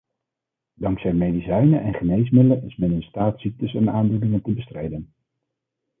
Dankzij medicijnen en geneesmiddelen is men in staat ziektes en aandoeningen te bestrijden.